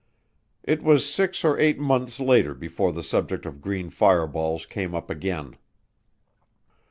It was six or eight months later before the subject of green fireballs came up again.